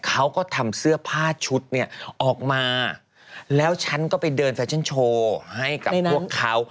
เขาก็ทำเสื้อผ้าชุดเนี่ยออกมาแล้วฉันก็ไปเดินแฟชั่นโชว์ให้กับพวกเขา